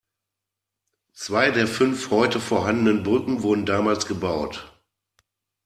Zwei der fünf heute vorhandenen Brücken wurden damals gebaut.